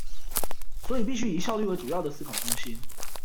所以必須以效率為主要的思考中心